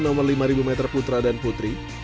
nomor lima meter putra dan putri